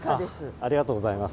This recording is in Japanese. ありがとうございます。